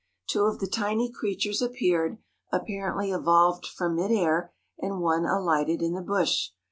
Two of the tiny creatures appeared, apparently evolved from mid air, and one alighted in the bush.